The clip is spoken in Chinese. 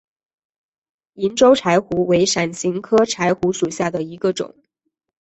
银州柴胡为伞形科柴胡属下的一个种。